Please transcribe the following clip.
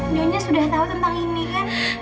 nyonya sudah tahu tentang ini kan